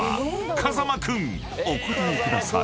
［風間君お答えください］